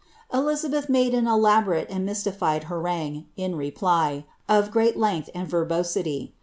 Elizabeth made an elaborate and mystified harangue, in reply, of great length and verbosity.